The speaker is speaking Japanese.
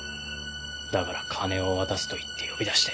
だから金を渡すと言って呼び出して。